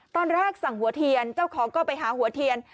ตอนแรกสั่งหัวเทียนเจ้าของก็ไปหาหัวเทียน